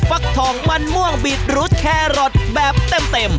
ฟักทองมันม่วงบีดรุดแครอทแบบเต็ม